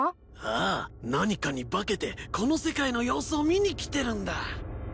ああ何かに化けてこの世界の様子を見にきてるんだ。